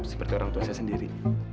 seperti orang tua saya sendiri